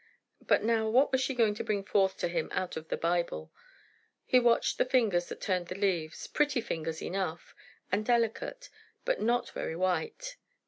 But now, what was she going to bring forth to him out of the Bible? He watched the fingers that turned the leaves; pretty fingers enough, and delicate, but not very white.